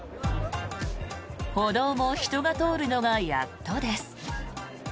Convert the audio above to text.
歩道も人が通るのがやっとです。